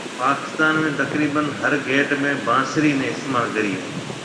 پاڪستان ۾ تقريبن ھر گيت ۾ بانسري ني استعمال ڪري ھيَََ